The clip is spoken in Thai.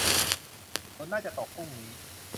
ฝนน่าจะตกพรุ่งนี้